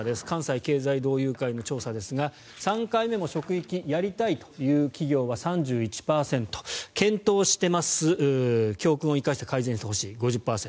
関西経済同友会の調査ですが３回目も職域やりたいという企業は３１％検討してます、教訓を生かして改善してほしい５０％。